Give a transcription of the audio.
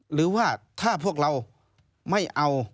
หรือว่าถ้าพวกเราไม่เอา